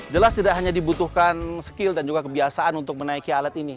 jelas tidak hanya dibutuhkan skill dan juga kebiasaan untuk menaiki alat ini